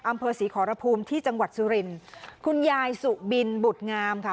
อำเภอศรีขอรภูมิที่จังหวัดสุรินทร์คุณยายสุบินบุตรงามค่ะ